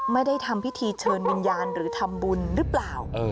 ไม่ได้ทำพิธีเชิญวิญญาณหรือทำบุญหรือเปล่า